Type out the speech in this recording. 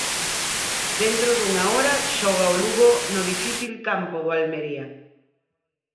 Dentro dunha hora xoga o Lugo no difícil campo do Almería.